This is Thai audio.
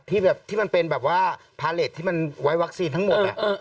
ที่แบบที่มันเป็นแบบว่าพาเลสที่มันไว้วัคซีนทั้งหมด